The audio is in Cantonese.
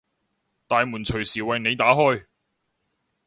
大門隨時為你打開